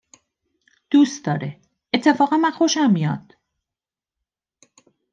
دوست داره، اتفاقاً من خوشم میاد